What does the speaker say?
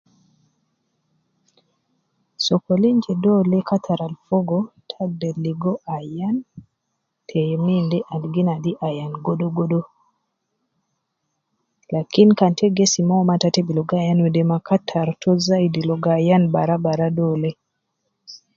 Sokolin je dole khattar al fogo, ita agder ligo ayan te youm inde al gi nadi ayan godo godo ,lakin kan ta gesim uwo ma ata te bi ligo ayan de ma, khattar to zaidi ligo ayan bara bara dole